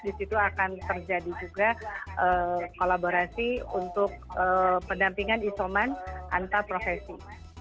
di situ akan terjadi juga kolaborasi untuk pendampingan isoman antar profesi